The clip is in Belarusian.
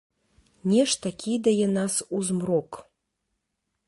Нешта кідае нас у змрок.